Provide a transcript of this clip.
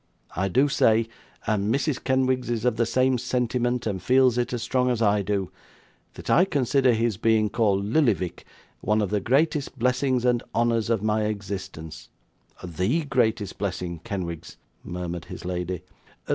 I do say and Mrs. Kenwigs is of the same sentiment, and feels it as strong as I do that I consider his being called Lillyvick one of the greatest blessings and Honours of my existence.' 'THE greatest blessing, Kenwigs,' murmured his lady.